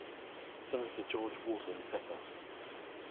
Senator George Wharton Pepper.